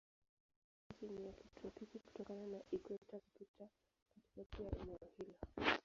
Tabianchi ni ya kitropiki kutokana na ikweta kupita katikati ya eneo hilo.